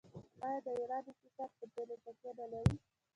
آیا د ایران اقتصاد په تیلو تکیه نلري؟